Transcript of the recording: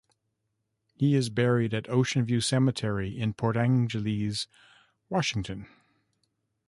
He is buried at Ocean View Cemetery in Port Angeles, Washington.